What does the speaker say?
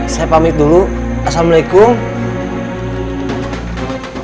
saya pamit dulu assalamualaikum